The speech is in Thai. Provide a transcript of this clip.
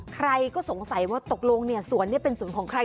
ใครก็สงสัยว่าตกลงเนี่ยสวนนี้เป็นสวนของใคร